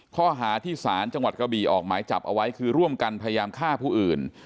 ข้อหาที่ศาลจังหวัดกระบีออกหมายจับเอาไว้คือร่วมกันพยายามฆ่าผู้อื่น